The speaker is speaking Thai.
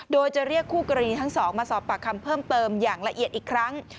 โดยจะเรียกคู่กรณีทั้งสองมาสอบปากคำเพิ่มเติมอย่างละเอียดอีกครั้ง